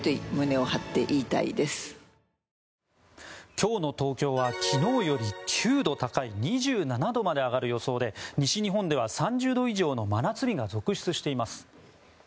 今日の東京は昨日より９度高い２７度まで上がる予想で西日本では３０度以上の真夏日が続出しています。